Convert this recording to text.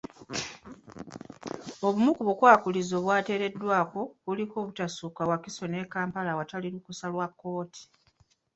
Obumu ku bukwakkulizo obuteereddwako kuliko obutasukka Wakiso ne Kampala awatali lukusa lwa kkooti.